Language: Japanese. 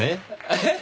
えっ？